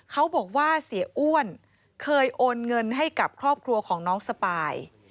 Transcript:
เขาบอกว่าเสียอ้วนเคยโอนเงินให้กับครอบครัวของน้องสปาย